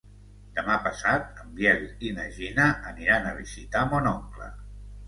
Demà passat en Biel i na Gina aniran a visitar mon oncle.